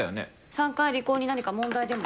３回離婚に何か問題でも？